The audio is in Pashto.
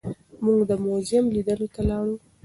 موږ د موزیم لیدلو ته لاړو.